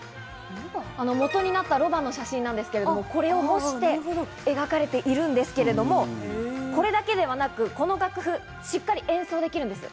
元になったロバの写真なんですけれども、これを模して描かれているんですけれども、これだけではなく、この楽譜、しっかり演奏できるんです。